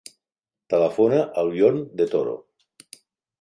Telefona al Bjorn De Toro.